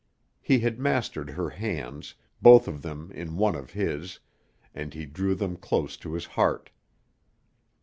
He had mastered her hands, both of them in one of his, and he drew them close to his heart.